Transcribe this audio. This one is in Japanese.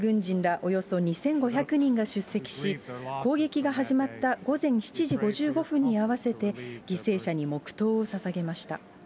およそ２５００人が出席し、攻撃が始まった、午前７時５５分に合わせて、犠牲者に黙とうをささげました。